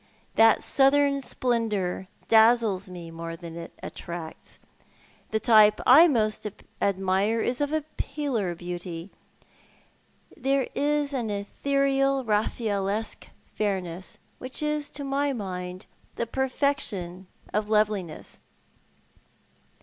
That soiithern splendour dazzles me more than it attracts. The type I most admire is of a paler If it could have been. 63 beauty. Thero is an ethereal Eaffacllesque fairness which is to my mind the perfection of loveliness."